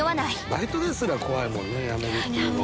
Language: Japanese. バイトですら怖いもんね辞めるっていうのは。